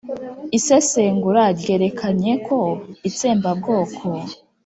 isesengura ryerekanye ko itsembabwoko